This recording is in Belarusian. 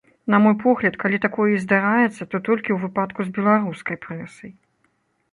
На мой погляд, калі такое і здараецца, то толькі ў выпадку з беларускай прэсай.